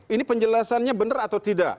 ini penjelasannya benar atau tidak